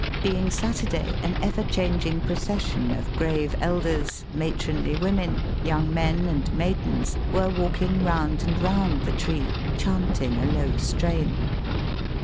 Being Saturday, an ever changing procession of grave elders, matronly women, young men, and maidens were walking round and round the tree, chanting a low strain.